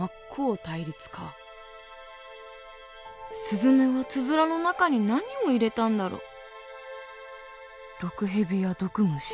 すずめはつづらの中に何を入れたんだろう？